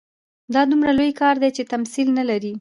دا دومره لوی کار دی چې تمثیل نه لري.